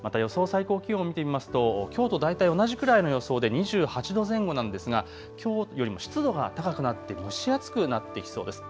最高気温を見てみますときょうと大体同じぐらいの予想で２８度前後なんですが、きょうより湿度が高くなって蒸し暑くなってきそうです。